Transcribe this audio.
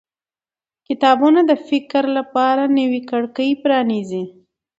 کتابونه د فکر لپاره نوې کړکۍ پرانیزي